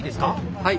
はい。